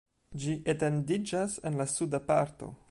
Ĝi etendiĝas en la suda parto.